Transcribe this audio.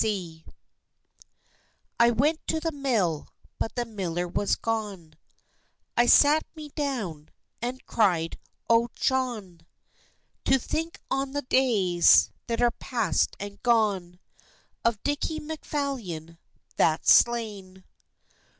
I WENT to the mill, but the miller was gone, I sat me down, and cried ochone! To think on the days that are past and gone, Of Dickie Macphalion that's slain.